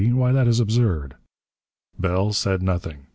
Why that is absurd!" Bell said nothing.